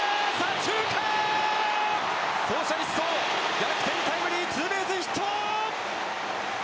逆転タイムリーツーベースヒット！